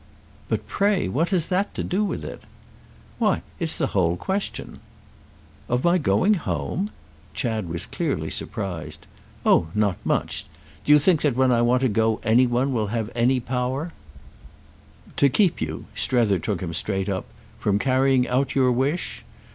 "But pray what has that to do with it?" "Why it's the whole question." "Of my going home?" Chad was clearly surprised. "Oh not much! Do you think that when I want to go any one will have any power—" "To keep you"—Strether took him straight up—"from carrying out your wish?